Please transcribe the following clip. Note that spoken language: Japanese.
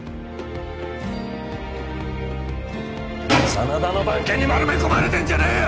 真田の番犬に丸め込まれてんじゃねえよ！